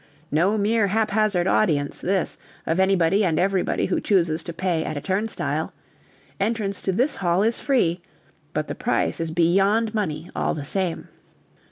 No mere haphazard audience, this, of anybody and everybody who chooses to pay at a turnstile! Entrance to this hall is free ... but the price is beyond money, all the same.